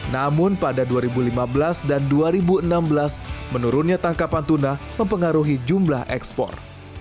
namun pada dua ribu lima belas dan dua ribu enam belas menurunnya tangkapan tuna mempengaruhi jumlah ekspor